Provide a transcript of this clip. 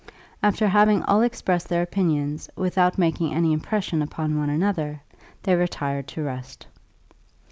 After having all expressed their opinions, without making any impression upon one another, they retired to rest.